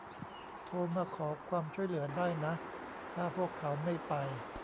โทรมาขอความช่วยเหลือได้นะถ้าพวกเขาไม่ไป